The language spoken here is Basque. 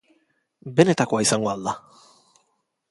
Benetakoa izango al da?